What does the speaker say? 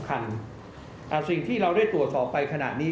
สิ่งที่เราได้ตรวจสอบไปขณะนี้